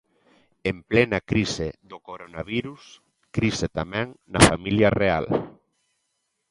En plena crise do coravirus, crise tamén na Familia Real.